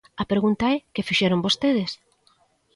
A pregunta é: ¿que fixeron vostedes?